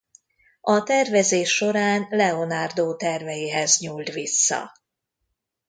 A tervezés során Leonardo terveihez nyúlt vissza.